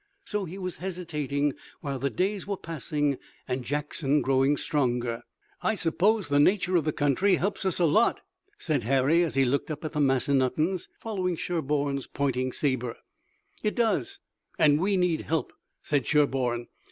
So he was hesitating while the days were passing and Jackson growing stronger. "I suppose the nature of the country helps us a lot," said Harry as he looked up at the Massanuttons, following Sherburne's pointing saber. "It does, and we need help," said Sherburne.